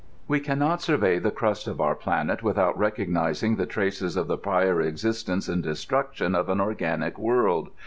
We can not survey the crust of our planet without recog nizing the traces of the prior existence and destruction of an organic world.